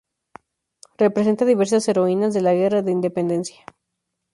Representa diversas heroínas de la guerra de independencia.